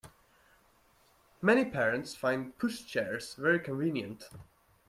Many parents find pushchairs very convenient